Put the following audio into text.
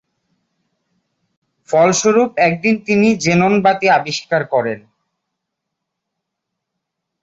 ফলস্বরূপ একদিন তিনি জেনন বাতি আবিষ্কার করেন।